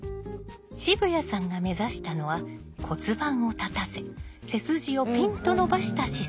渋谷さんが目指したのは骨盤を立たせ背筋をピンと伸ばした姿勢。